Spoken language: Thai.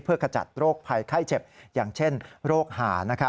เพื่อขจัดโรคภัยไข้เจ็บอย่างเช่นโรคหา